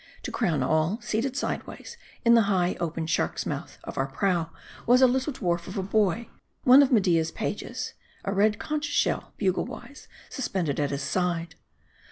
To crown all, seated sideways in the high, open shark's mouth of our prow was a little dwarf of a boy, one of Me dia's pages, a red conch shell, bugle wise suspended at his side.